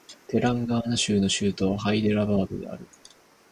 テランガーナ州の州都はハイデラバードである